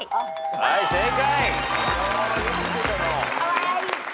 はい正解。